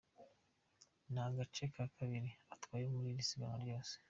Ni agace ke ka kabiri atwaye muri iri siganwa ryose.